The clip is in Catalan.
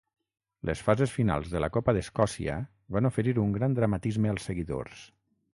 Les fases finals de la Copa d'Escòcia van oferir un gran dramatisme als seguidors.